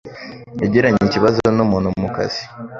Yagiranye ikibazo numuntu mukazi